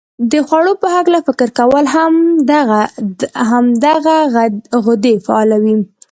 د خوړو په هلکه فکر کول هم دغه غدې فعالوي.